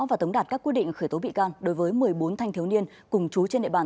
và tống đạt các quyết định khởi tố bị can đối với một mươi bốn thanh thiếu niên cùng chú trên địa bàn